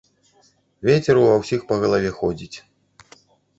Вецер у ва ўсіх па галаве ходзіць.